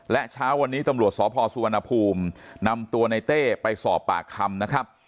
และเช้าวันนี้ตำรวจสพสุวรรณภูมินำตัวในเต้ไปสอบปากคำนะครับ